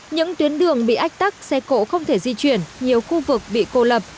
những tuyến đường bị ách tắc xe cộ không thể di chuyển nhiều khu vực bị cô lập